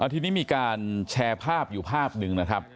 ทีนี้มีการแชร์ภาพอยู่ภาพหนึ่งนะครับ